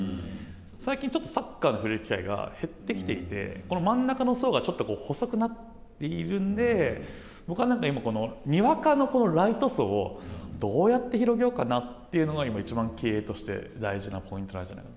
最近ちょっとサッカーに触れる機会が減ってきていて、この真ん中の層がちょっと細くなっているので、僕は今、にわかのライト層をどうやって広げようかなというのが、今いちばん経営として大事なポイントなんじゃないか。